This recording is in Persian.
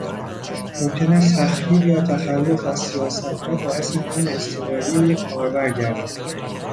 ممکن است تخریب یا تخلف از سیاستها، باعث منع اضطراری یک کاربر گردد.